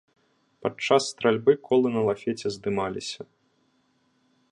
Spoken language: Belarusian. Падчас стральбы колы на лафеце здымаліся.